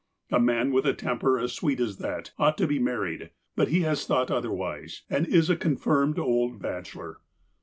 A man with a temper as sweet as that, ought to be married. But he has thought otherwise, and is a con firmed old bachelor.